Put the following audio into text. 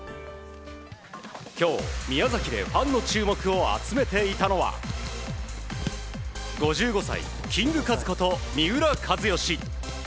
今日宮崎でファンの注目を集めていたのが５５歳、キングカズこと三浦知良。